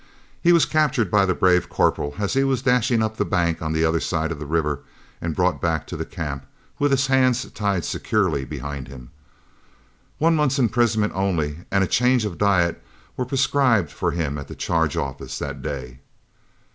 He was captured by the brave corporal as he was dashing up the bank on the other side of the river, and brought back to the camp, with his hands tied securely behind. One month's imprisonment only and a change of diet were prescribed for him at the Charge Office that day.